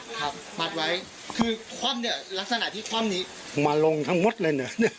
ครับมัดไว้คือคว่ำเนี่ยลักษณะที่คว่ำนี้มาลงทั้งหมดเลยเนี่ย